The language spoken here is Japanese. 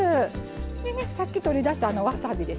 でねさっき取り出したわさびですね